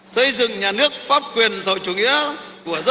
xây dựng nhà nước pháp quyền sau chủ nghĩa của dân do dân và vì dân